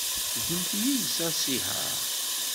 Gemt yid-s asihaṛ.